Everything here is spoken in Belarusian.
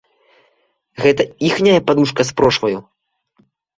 Гэта іхняя падушка з прошваю?